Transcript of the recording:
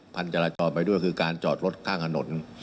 พันจราจรไปด้วยคือการจอดรถข้างถนน